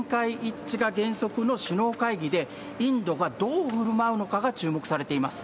こうした中で、全会一致が原則の首脳会議で、インドがどうふるまうのかが注目されています。